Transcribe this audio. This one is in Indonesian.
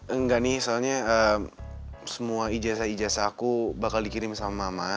enggak nih soalnya semua ijazah ijazah aku bakal dikirim sama mama